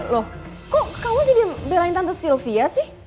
loh kok kamu jadi belain tante sylvia sih